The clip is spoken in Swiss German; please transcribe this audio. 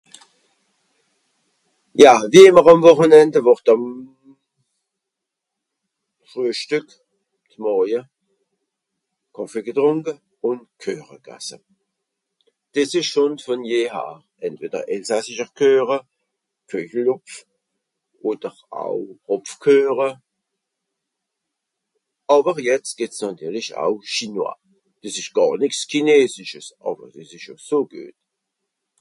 Ja, ìmmer àm Wùchenende wùrd àm Frühstück, z'morje, Kàffe getrùnke ùn Kueche gasse. Dìs (...) entweder elsassischer Kueche, Köjelhùpf, odder au Àpfelkueche, àwer jetz gìtt's nàtirlisch au Chinois. Dìs ìsch gàr nìt chinesisch àwer dìs ìsch eso guet !